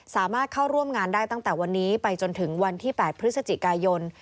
สามารถเข้าร่วมงานได้ตั้งแต่วันนี้ไปจนถึงวันที่๘พฤศจิกายน